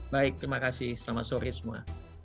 baik terima kasih selamat sore semua